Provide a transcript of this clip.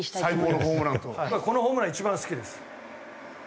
このホームラン一番好きです。